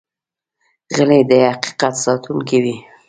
غلی، د حقیقت ساتونکی وي.